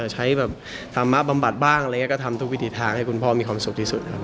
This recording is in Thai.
ใช้แบบธรรมะบำบัดบ้างอะไรอย่างนี้ก็ทำทุกวิถีทางให้คุณพ่อมีความสุขที่สุดนะครับ